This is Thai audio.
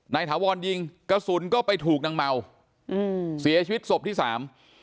ถาวรยิงกระสุนก็ไปถูกนางเมาอืมเสียชีวิตศพที่สาม